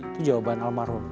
itu jawaban almarhum